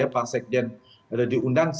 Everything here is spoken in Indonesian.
pak sekjen diundang